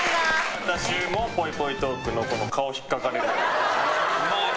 私も、ぽいぽいトークの顔ひっかかれの。